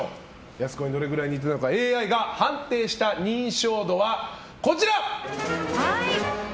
やす子にどれぐらい似ているのかＡＩが判定した認証度はこちら！